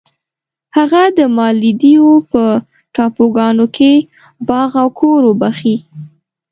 هغه د مالدیو په ټاپوګانو کې باغ او کور وبخښی.